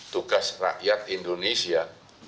tugas rakyat indonesia